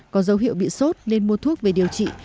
có dấu hiệu bị sốt nên mua thuốc về điều trị